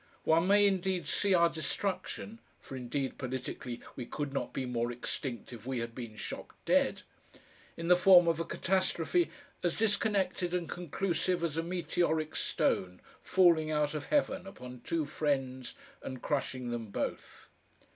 One may indeed see our destruction for indeed politically we could not be more extinct if we had been shot dead in the form of a catastrophe as disconnected and conclusive as a meteoric stone falling out of heaven upon two friends and crushing them both.